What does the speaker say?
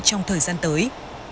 trong thời gian tới